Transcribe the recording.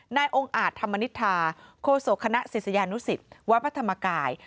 นายองค์อาจธรรมนิษฐาโคศกคณะศิษยานุสิตวัดพระธรรมกาย